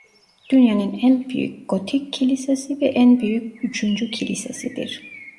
Dünyanın en büyük gotik kilisesi ve en büyük üçüncü kilisesidir.